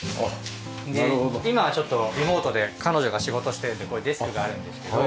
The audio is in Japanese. で今はちょっとリモートで彼女が仕事してるのでここにデスクがあるんですけど。